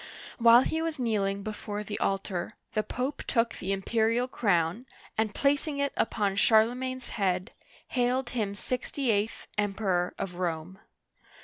While he was kneeling before the altar, the Pope took the imperial crown, and placing it upon Charlemagne's head, hailed him sixty eighth Emperor of Rome.